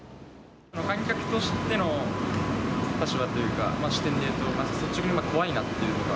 観客としての立場というか、視点で言うと、率直に怖いなっていうか。